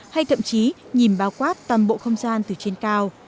hay thậm chí nhìn bao quát toàn bộ không gian từ trên cao